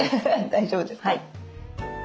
大丈夫ですか。